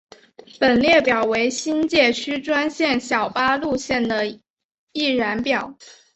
本列表为新界区专线小巴路线的一览表。